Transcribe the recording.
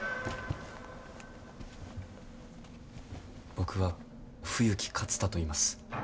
僕は冬木克太といいます。